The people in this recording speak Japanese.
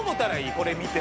これ見て